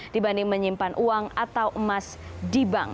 dibanding menyimpan uang atau emas di bank